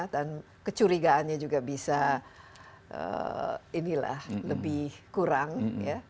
dan kecurigaannya juga bisa inilah lebih kurang ya